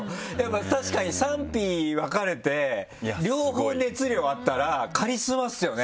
確かに賛否分かれて両方熱量あったらカリスマですよね。